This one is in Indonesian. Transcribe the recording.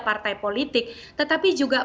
partai politik tetapi juga